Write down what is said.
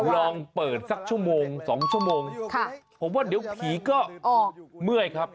ลองเปิดสักชั่วโมง๒ชั่วโมงผมว่าเดี๋ยวผีก็เมื่อยครับ